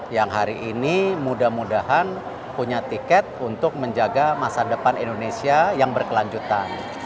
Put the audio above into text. yang hari ini mudah mudahan punya tiket untuk menjaga masa depan indonesia yang berkelanjutan